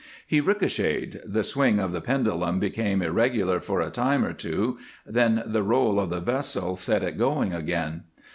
He ricocheted, the swing of the pendulum became irregular for a time or two, then the roll of the vessel set it going again.